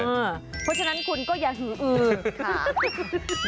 เพราะฉะนั้นคุณก็อย่าหืออือค่ะ